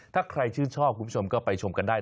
ถ้าใครชื่นชอบคุณผู้ชมก็ไปชมกันได้